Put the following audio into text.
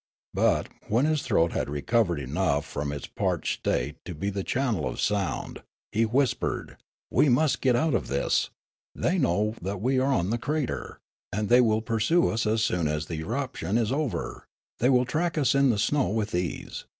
But, when his throat had recovered enough from its parched state to be the channel of sound, he whispered :" We must get out of this ; they know that we are on the crater, and they will pursue us as soon as the eruption is over ; they will track us in the snow with ease.